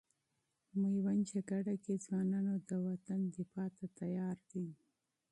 میوند جګړې کې ځوانان د وطن دفاع ته تیار دي.